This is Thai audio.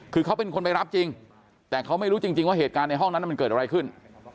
คือเขาเป็นคนไปรับจริงแต่เขาไม่รู้จริงว่าเหตุการณ์ในห้องนั้นมันเกิดอะไรขึ้น